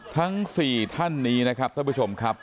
ทั้ง๔ท่านนี้นะครับท่านผู้ชมครับ